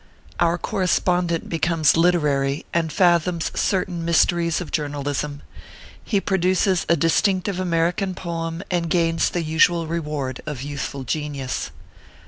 OUR CORRESPONDENT BECOMES LITERARY, AND FATHOMS CERTAIN MYS TERIES OF JOURNALISM. HE PRODUCES A DISTINCTIVE AMERICAN POEM, AND GAINS THE USUAL REWARD OF YOUTHFUL GENIUS.